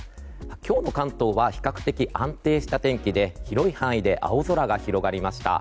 今日の関東は比較的安定した天気で広い範囲で青空が広がりました。